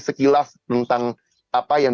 sekilas tentang apa yang